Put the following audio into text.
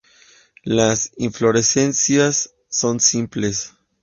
Las inflorescencias son simples.